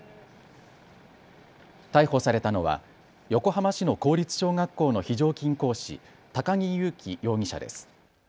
逮捕されたのは横浜市の公立小学校の非常勤講師、高木悠基容疑者です。